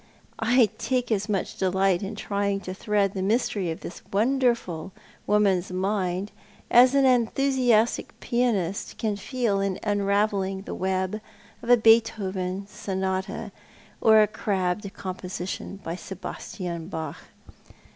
I take as much delight in trying to thread the mystery of this wonderful ^voman's mind as an enthusiastic pianist can feel in unravelling the web of a Beethoven sonata, or a crabbed composition by Sebastian Bach.